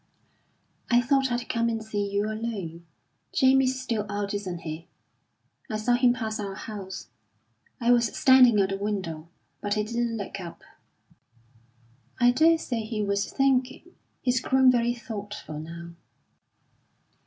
"I thought I'd come and see you alone. Jamie's still out, isn't he? I saw him pass our house. I was standing at the window, but he didn't look up." "I daresay he was thinking. He's grown very thoughtful now."